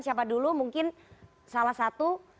siapa dulu mungkin salah satu